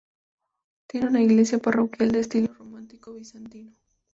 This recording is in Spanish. Tiene una iglesia parroquial de estilo románico-bizantino.